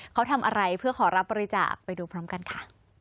เขาทำอะไรเพื่อขอรับบริจาคไปดูพร้อมกันค่ะ